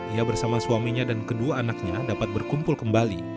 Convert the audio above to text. ia bersama suaminya dan kedua anaknya dapat berkumpul kembali